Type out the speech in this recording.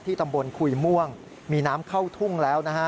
ที่ตำบลคุยม่วงมีน้ำเข้าทุ่งแล้ว